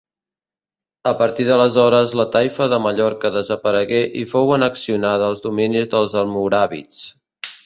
A partir d'aleshores la Taifa de Mallorca desaparegué i fou annexionada als dominis dels almoràvits.